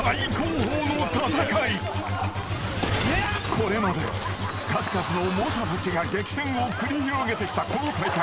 ［これまで数々の猛者たちが激戦を繰り広げてきたこの大会］